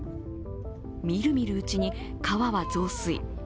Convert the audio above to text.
みるみるうちに川は増水。